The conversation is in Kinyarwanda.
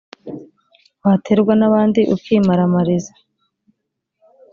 waterwa n’abandi ukimaramariza.